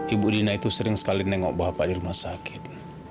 ibu rina itu sering sekali nengok bapak di rumah sakit